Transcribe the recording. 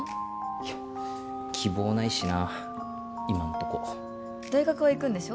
いや希望ないしな今んとこ大学は行くんでしょ？